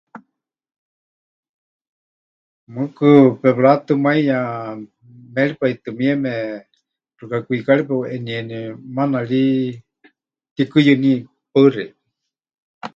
Mɨɨkɨ pepɨratɨmaiya méripai tɨ mieme xɨka kwikari peʼuʼenieni, maana ri pɨtikuyɨní. Paɨ xeikɨ́a.